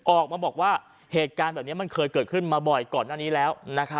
ออกมาบอกว่าเหตุการณ์แบบนี้มันเคยเกิดขึ้นมาบ่อยก่อนหน้านี้แล้ว